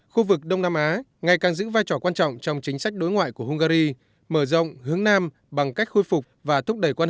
khu vực đông nam á ngày càng giữ vai trò quan trọng trong chính sách đối ngoại của hungary mở rộng hướng nam bằng cách khôi phục và thúc đẩy quan hệ